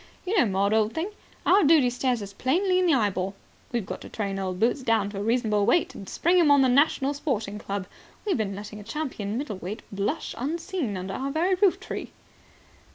You know, Maud, old thing, our duty stares us plainly in the eyeball. We've got to train old Boots down to a reasonable weight and spring him on the National Sporting Club. We've been letting a champion middleweight blush unseen under our very roof tree."